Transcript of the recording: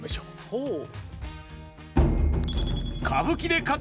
ほう。